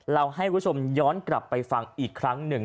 ให้คุณผู้ชมย้อนกลับไปฟังอีกครั้งหนึ่ง